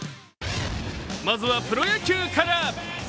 まずは、プロ野球から。